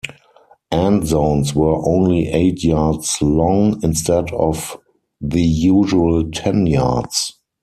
End zones were only eight yards long instead of the usual ten yards.